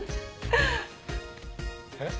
えっ？